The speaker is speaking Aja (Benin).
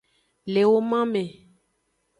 Le woman me.